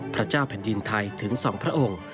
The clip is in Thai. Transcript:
พระเจ้าแผ่นดินไทยถึง๒พระองค์